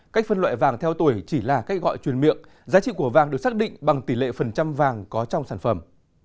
cách phân loại vàng theo tuổi chỉ là cách gọi truyền miệng giá trị của vàng được xác định bằng tỷ lệ phần trăm vàng có trong sản phẩm